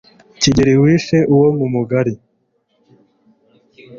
kigeli wishe uwo mu mugari